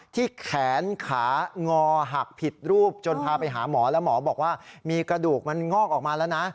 ที่แขนขางอหักผิดรูปจนพาไปหาหมอแล้วหมอบอกว่ามีกระดูกมันงอกออกมาแล้วนะ